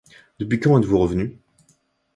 Depuis quand êtes-vous revenu?